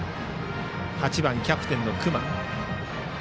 ８番、キャプテン隈。